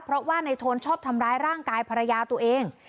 เพราะว่าในโทนชอบทำร้ายร่างกายภรรยาตัวเอง